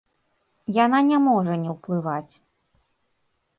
Яна не можа не ўплываць.